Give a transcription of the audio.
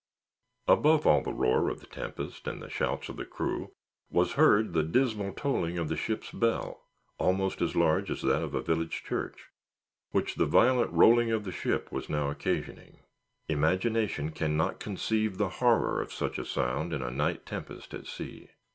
Above all the roar of the tempest and the shouts of the crew, was heard the dismal tolling of the ship's bell—almost as large as that of a village church—which the violent rolling of the ship was occasioning. Imagination cannot conceive the horror of such a sound in a night tempest at sea.